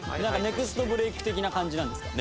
ネクストブレーク的な感じなんですか？